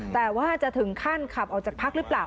แต่ว่าจะถึงขั้นขับออกจากพักหรือเปล่า